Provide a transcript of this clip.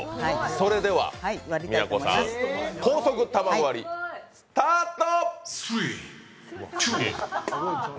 それでは美奈子さん高速卵割りスタート！